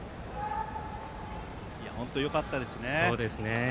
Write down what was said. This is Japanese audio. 本当よかったですね。